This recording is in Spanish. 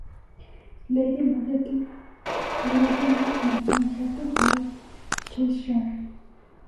Lady Margaret Grosvenor nació en Eaton Hall, Cheshire.